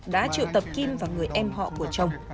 đã triệu tập kim vào người em họ của chồng